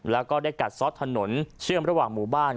แล้วก็ได้กัดซอสถนนเชื่อมระหว่างหมู่บ้าน